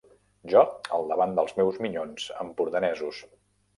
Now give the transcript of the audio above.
Jo al davant dels meus minyons empordanesos.